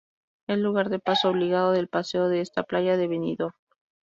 Es lugar de paso obligado del paseo de esta playa de Benidorm.